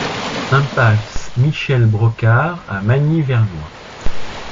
Impasse Michel Brocard à Magny-Vernois